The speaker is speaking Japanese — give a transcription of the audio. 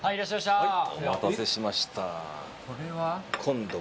お待たせしました。